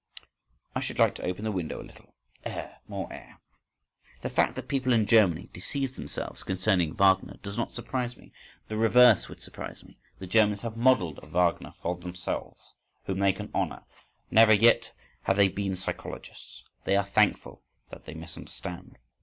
I should like to open the window a little:—Air! More air!— The fact that people in Germany deceive themselves concerning Wagner does not surprise me. The reverse would surprise me. The Germans have modelled a Wagner for themselves, whom they can honour: never yet have they been psychologists; they are thankful that they misunderstand.